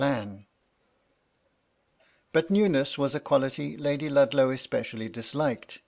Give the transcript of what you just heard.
plan. But newness was a quality Lady Ludlow espe cially disliked.